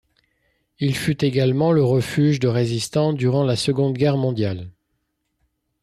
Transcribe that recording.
Il fut également le refuge de résistants durant la seconde Guerre Mondiale.